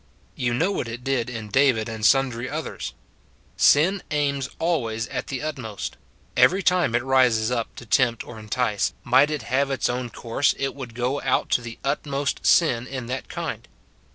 You know what it did in David and sundry others. Sin aims always at the utmost ; every time it rises up to tempt or entice, might it have its own course, it would go out to the utmost sin in that kind.